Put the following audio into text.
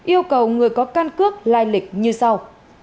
yêu cầu người có căn cước lai lịch như sau